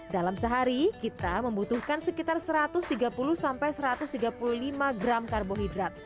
dalam sehari kita membutuhkan sekitar satu ratus tiga puluh sampai satu ratus tiga puluh lima gram karbohidrat